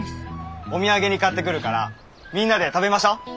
お土産に買ってくるからみんなで食べましょう。